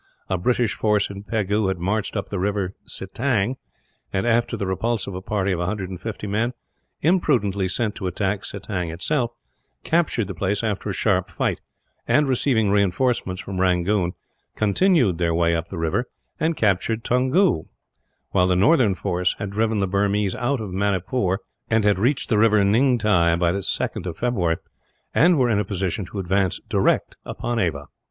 A British force in Pegu had marched up the river Sitang and, after the repulse of a party of a hundred and fifty men, imprudently sent to attack Sitang itself, captured the place after a sharp fight and, receiving reinforcements from Rangoon, continued their way up the river and captured Toungoo; while the northern force had driven the Burmese out of Manipur, and had reached the river Ningti by the 2nd of February, and were in a position to advance direct upon Ava.